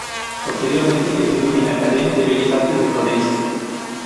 Posteriormente estudió en la Academia de Bellas Artes de Florencia.